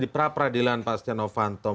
di pra peradilan pak steno fantom